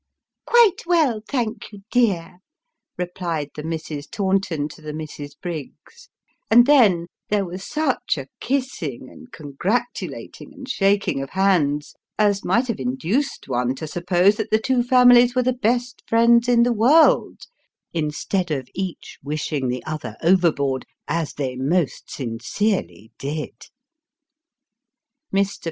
" Quite well, thank you, dear," replied the Misses Taunton to the Misses Briggs ; and then, there was such a kissing, and congratulating, and shaking of hands, as might have induced one to suppose that the two families were the best friends in the world, instead of each wish ing the other overboard, as they most sincerely did. Mr.